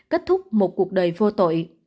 kết thúc một cuộc đời vô tội